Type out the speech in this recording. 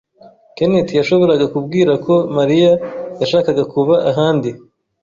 Kenneth yashoboraga kubwira ko Mariya yashakaga kuba ahandi.